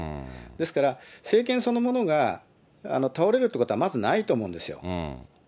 ですから、政権そのものが倒れるっていうことはまずないと思うんですよ。